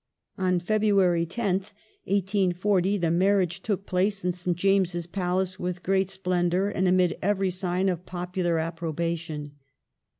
On February 10th, 1840, the marriage took place in St. James's Palace with great splendour and 4mid every sign of popular approbation.